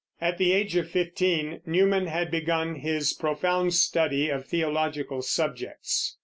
At the age of fifteen Newman had begun his profound study of theological subjects.